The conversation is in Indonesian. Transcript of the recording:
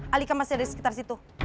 alika masih ada di sekitar situ